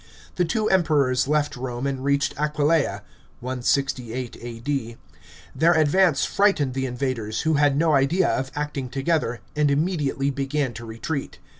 The two Emperors left Rome and reached Aquileia (168 A.D.). Their advance (lightened the invaders, who had no idea of acting together, and immediately began to retreat.